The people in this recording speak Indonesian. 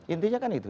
intinya kan itu